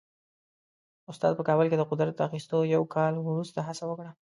استاد په کابل کې د قدرت تر اخیستو یو کال وروسته هڅه وکړه.